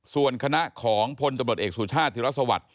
ส่วนคณะของพลตำรวจเอกสู่ชาติธิรัฐสวรรค์